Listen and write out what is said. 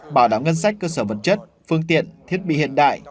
bảo đảm ngân sách cơ sở vật chất phương tiện thiết bị hiện đại